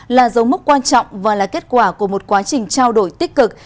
là dấu mốc quan trọng và là kết quả của một quá trình trao đổi tích cực